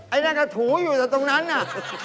ไอ้น่าจะถูอยู่ตรงนั้นน่ะ